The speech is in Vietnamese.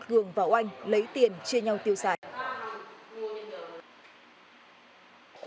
cường và oanh lấy tiền chia nhau tiêu sản